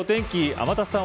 天達さん